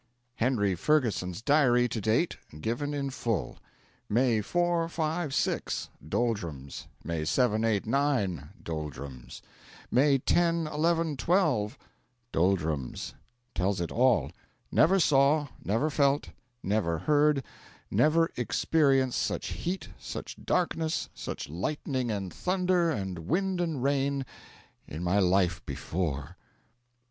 HENRY FERGUSON'S DIARY TO DATE, GIVEN IN FULL: May 4, 5, 6, doldrums. May 7, 8, 9, doldrums. May 10, 11, 12, doldrums. Tells it all. Never saw, never felt, never heard, never experienced such heat, such darkness, such lightning and thunder, and wind and rain, in my life before.